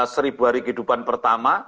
seribu hari kehidupan pertama